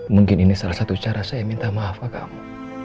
mungkin ini salah satu cara saya minta maaf pak kamu